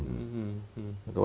kalau sekarang kan bergabung